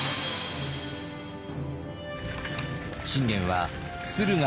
信玄は駿河